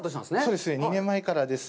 そうですね。２年前からです。